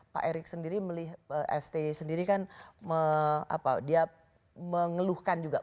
pak erick sendiri melihat sti sendiri kan dia mengeluhkan juga